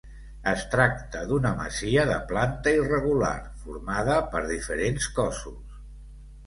Es tracta d'una masia de planta irregular, formada per diferents cossos.